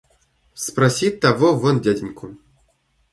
Спроси того вон дяденьку.